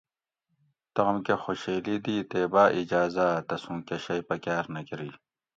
تام کہ خوشیلی دی تے باۤاِجاۤزاۤ تسوں کی شئی پکاۤر نہ کۤری